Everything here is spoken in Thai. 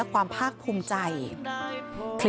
คุณผู้ชมค่ะคุณผู้ชมค่ะ